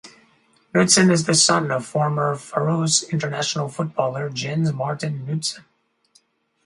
Knudsen is the son of former Faroese international footballer Jens Martin Knudsen.